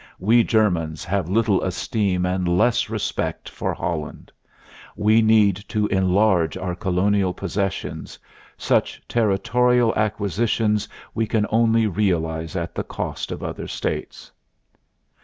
We Germans have little esteem and less respect ... for Holland. We need to enlarge our colonial possessions; such territorial acquisitions we can only realize at the cost of other states.